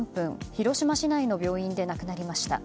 広島市内の病院で亡くなりました。